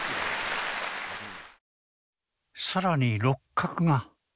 更に六角が。